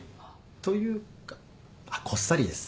というかこっさりです。